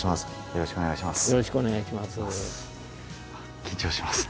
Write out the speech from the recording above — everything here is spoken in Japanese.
よろしくお願いします。